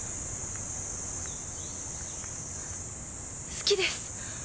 好きです。